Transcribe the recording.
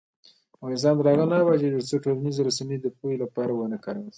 افغانستان تر هغو نه ابادیږي، ترڅو ټولنیزې رسنۍ د پوهې لپاره ونه کارول شي.